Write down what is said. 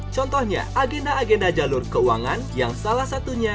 contohnya agenda agenda jalur keuangan yang salah satunya